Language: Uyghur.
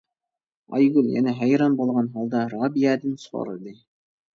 ئايگۈل يەنە ھەيران بولغان ھالدا رابىيەدىن سورىدى.